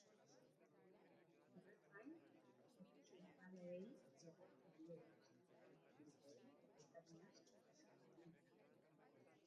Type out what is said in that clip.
Horrez gain, errusiazaleei egotzi die instituzio publikoei berariaz eraso egin izana.